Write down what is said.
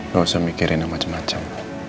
gak usah mikirin yang macem macem